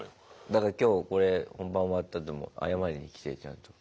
だから今日これ本番終わったあとも謝りに来てちゃんと。